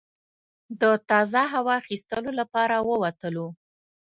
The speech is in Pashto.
د تازه هوا اخیستلو لپاره ووتلو.